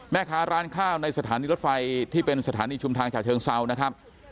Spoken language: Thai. แม่ค้าร้านข้าวในสถานีรถไฟที่เป็นสถานีชุมทางฉะเชิงเซานะครับ